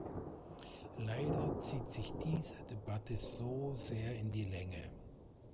Leider zieht sich diese Debatte so sehr in die Länge.